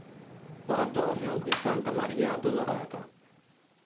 Oratorio di Santa Maria Addolorata